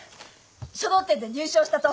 書道展で入賞したと！